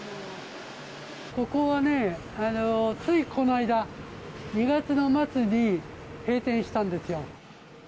ここはね、ついこの間、２月の末に閉店したんですよ。